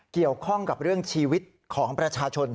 เกี่ยวข้องกับเรื่องชีวิตของประชาชน